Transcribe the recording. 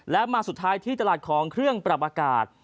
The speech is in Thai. และมาสุดท้ายที่ตลาดของเครื่องปรับอากาศ